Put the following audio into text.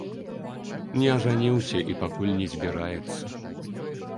Не ажаніўся і пакуль не збіраецца.